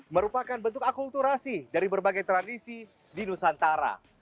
merupakan bentuk akulturasi dari berbagai tradisi di nusantara